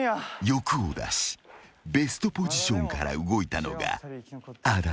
［欲を出しベストポジションから動いたのがあだとなった］